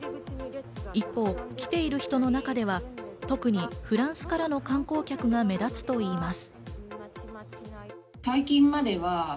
一方、来ている人の中では特にフランスからの観光客が目立つといいます。